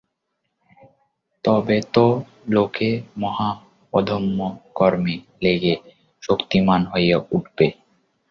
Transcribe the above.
তবে তো লোকে মহা উদ্যমে কর্মে লেগে শক্তিমান হয়ে উঠবে।